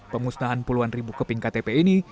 pemusnahan puluhan ribu keping ktp ini